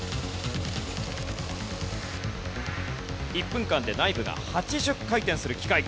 １分間で内部が８０回転する機械。